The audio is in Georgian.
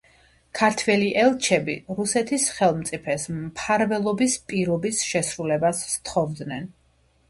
ქართველი ელჩები რუსეთის ხელმწიფეს მფარველობის პირობის შესრულებას სთხოვდნენ.